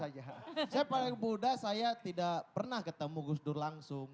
saya paling muda saya tidak pernah ketemu gus dur langsung